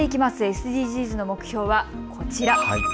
ＳＤＧｓの目標はこちら。